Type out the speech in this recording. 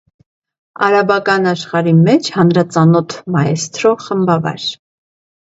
Արաբական աշխարհի մէջ հանրածանօթ մայեսթրո խմբավար։